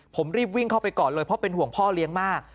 ผมรีบวิ่งเข้าไปก่อนเลยเพราะเป็นห่วงพ่อเลี้ยงมาก